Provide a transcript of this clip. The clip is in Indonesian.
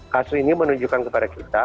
kasus ini menunjukkan kepada kita